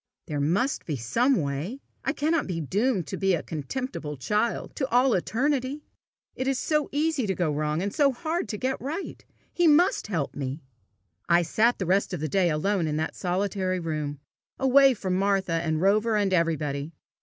There must be some way! I cannot be doomed to be a contemptible child to all eternity! It is so easy to go wrong, and so hard to get right! He must help me!" I sat the rest of the day alone in that solitary room, away from Martha and Rover and everybody.